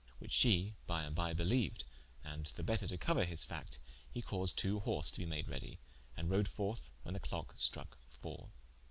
Which she by and by beleued: and the better to couer his fact, he caused two horse to be made redie, and rode forth when the clocke strake iiii.